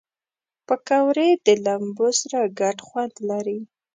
پکورې د لمبو سره ګډ خوند لري